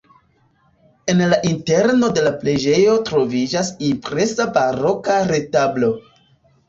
En la interno de la preĝejo troviĝas impresa baroka retablo.